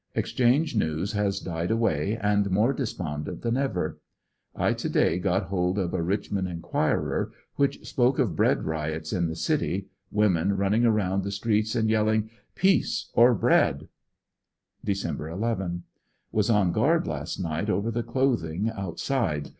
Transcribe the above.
Exchange news has died away, and more despondent than ever. I to day got hold of a Rich mond Enquirer which spoke of bread riots in the city, women run ning around the streets and yelling, "Peace or breail" Dec 11. — Was on guard last ni<,ht over the clothing outside.